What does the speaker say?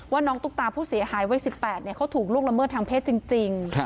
น้องตุ๊กตาผู้เสียหายวัย๑๘เขาถูกล่วงละเมิดทางเพศจริง